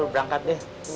lo berangkat deh